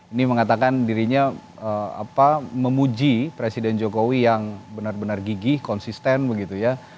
ini mengatakan dirinya memuji presiden jokowi yang benar benar gigih konsisten begitu ya